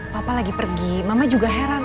papa lagi pergi mama juga heran